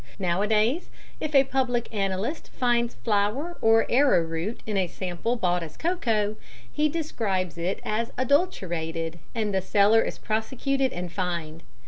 Nowadays if a Public Analyst finds flour or arrowroot in a sample bought as cocoa, he describes it as adulterated, and the seller is prosecuted and fined.